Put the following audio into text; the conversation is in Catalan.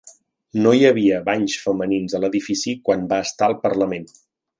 No hi havia banys femenins a l'edifici quan va estar al Parlament.